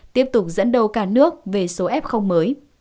tiếp tục dẫn đầu cả nước về số f mới